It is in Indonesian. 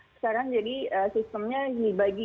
sekarang jadi sistemnya dibagi